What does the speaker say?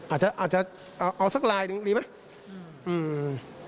อาจจะเอาสักลายหนึ่งดีไหม